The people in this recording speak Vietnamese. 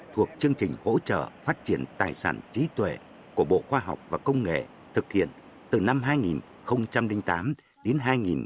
thuộc chương trình hỗ trợ phát triển tài sản trí tuệ của bộ khoa học và công nghệ thực hiện từ năm hai nghìn tám đến hai nghìn một mươi